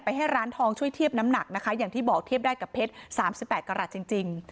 ให้ร้านทองช่วยเทียบน้ำหนักนะคะอย่างที่บอกเทียบได้กับเพชร๓๘กรัฐจริง